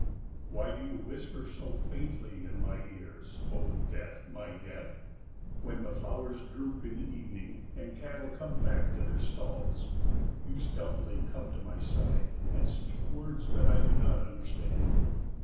81 Why do you whisper so faintly in my ears, O Death, my Death? When the flowers droop in the evening and cattle come back to their stalls, you stealthily come to my side and speak words that I do not understand.